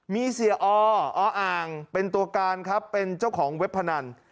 มีเสียอออ่างเป็นตัวการครับเป็นเจ้าของเว็บพนัน